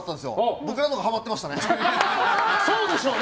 僕らのほうがハマってましたね。